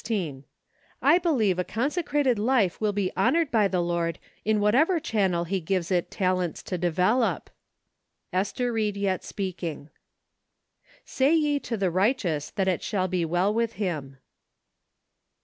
I believe a consecrated life will be honored by the Lord in whatever channel He gives it talents to develop. Ester Rie*l Yet Speaking. " Say ye to the righteous that it shall be well with him."